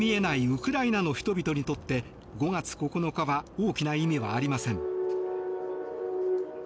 ウクライナの人々にとって５月９日は大きな意味はありません。